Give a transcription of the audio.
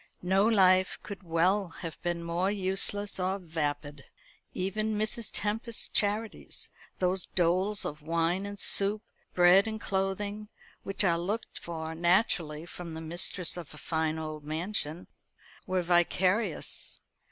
No life could well have been more useless or vapid. Even Mrs. Tempest's charities those doles of wine and soup, bread and clothing, which are looked for naturally from the mistress of a fine old mansion were vicarious.